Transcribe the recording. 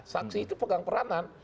saksi itu pegang peranan